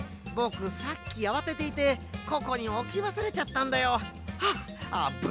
ぼくさっきあわてていてここにおきわすれちゃったんだよ。